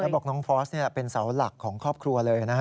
แล้วบอกน้องฟอร์สเป็นเสาหลักของครอบครัวเลย